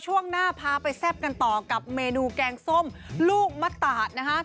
ช่วงหน้าพาไปแซ่บกันต่อกับเมนูแกงส้มลูกมะตาดนะครับ